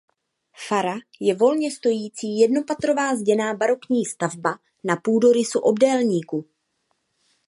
Fara je volně stojící jednopatrová zděná barokní stavba na půdorysu obdélníku.